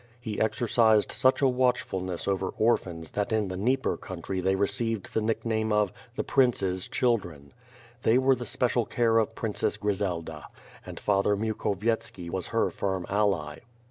He exercised such a watchfulness over orphans that in the Dnieper country they received the nickname of "The Prince's children." They were the special care of Princess Grizela, and Father Mukhovietski was her firm ally.